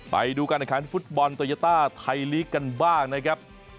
ไปดูการอาคารฟุตบอลโตยัตตาไทยลีกกันบ้างนะครับ